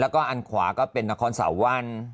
แล้วก็อันขวาก็เป็นนครสาววัน